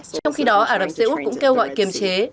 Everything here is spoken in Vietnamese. trong khi đó ả rập xê út cũng kêu gọi kiềm chế